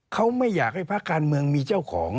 เขาไม่อยากให้ภาคการเมืองมีเจ้าของ